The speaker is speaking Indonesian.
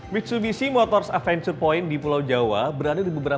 mitsubishi motors adventure point di beberapa titik yang tersebar di jawa dan juga sumatera